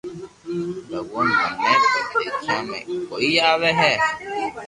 ڀگوان مني تو ديکيا ۾ ڪوئي آوي ھي